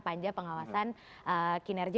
panja pengawasan kinerja